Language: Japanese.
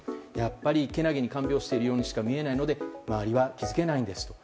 やっぱり、けなげに看病しているようにしか見えないので周りは気づけないんです。